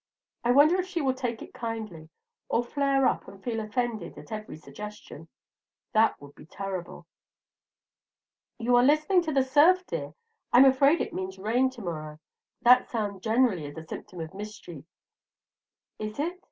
I wonder if she will take it kindly, or flare up and feel offended at every little suggestion. That would be terrible! You are listening to the surf, dear. I'm afraid it means rain to morrow. That sound generally is a symptom of mischief." "Is it?"